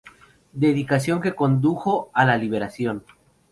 Dedicación que condujo a la liberación.